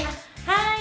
はい。